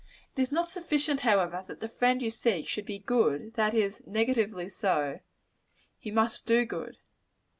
It is not sufficient, however, that the friend you seek should be good that is, negatively so: he must do good.